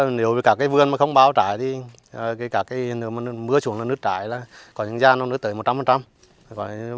nếu cả vườn không bao trải thì mưa xuống nứt trải là có những gia nứt tới một trăm linh